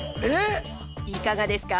いかがですか？